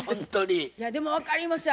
でも分かりますよ。